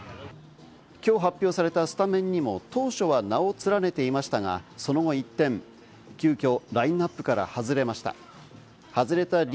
きょう発表されたスタメンにも、当初は名を連ねていましたが、その後一転、急きょラインナップから外れました。